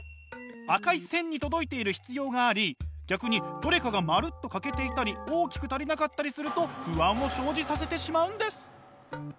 赤い線に届いている必要があり逆にどれかがまるっと欠けていたり大きく足りなかったりすると不安を生じさせてしまうんです。